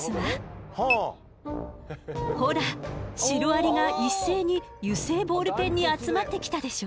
ほらシロアリが一斉に油性ボールペンに集まってきたでしょ。